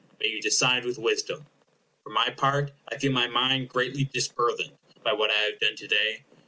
May you decide with wisdom! For my part, I feel my mind greatly disburthened by what I have done to day.